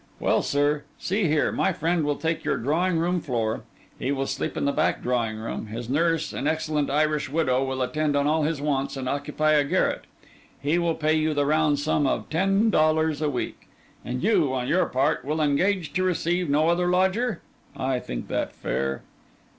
Well, sir: see here. My friend will take your drawing room floor; he will sleep in the back drawing room; his nurse, an excellent Irish widow, will attend on all his wants and occupy a garret; he will pay you the round sum of ten dollars a week; and you, on your part, will engage to receive no other lodger? I think that fair.